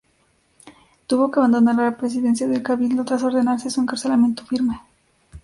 Tuvo que abandonar la presidencia del Cabildo tras ordenarse su encarcelamiento firme.